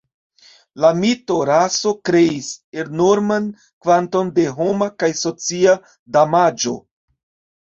La mito 'raso' kreis enorman kvanton de homa kaj socia damaĝo.